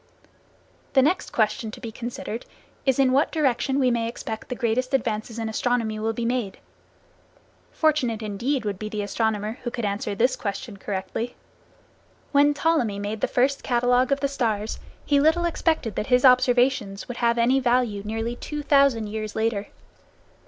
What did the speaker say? The next question to be considered is in what direction we may expect the greatest advance in astronomy will be made. Fortunate indeed would be the astronomer who could answer this question correctly. When Ptolemy made the first catalogue of the stars, he little expected that his observations would have any value nearly two thousand years later.